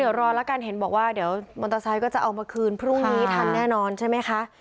เดี๋ยวรอแล้วกันเห็นบอกว่าเดี๋ยวมอเตอร์ไซค์ก็จะเอามาคืนพรุ่งนี้ทันแน่นอนใช่ไหมคะ